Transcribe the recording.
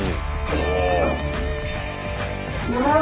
お。